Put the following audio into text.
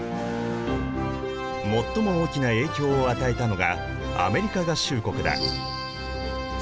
最も大きな影響を与えたのがアメリカ合衆国だ。